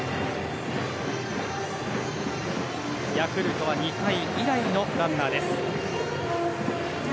ヤクルトは２回以来のランナーです。